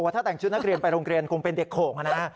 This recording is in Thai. ถ้าแต่งชุดนักเรียนไปโรงเรียนคงเป็นเด็กโข่งนะ